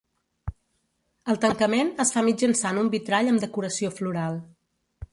El tancament es fa mitjançant un vitrall amb decoració floral.